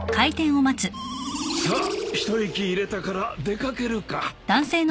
さあ一息入れたから出掛けるか。